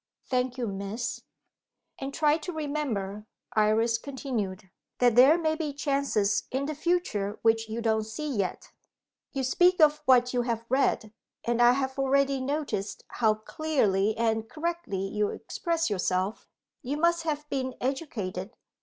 "Thank you, Miss." "And try to remember," Iris continued, "that there may be chances in the future which you don't see yet. You speak of what you have read, and I have already noticed how clearly and correctly you express yourself. You must have been educated.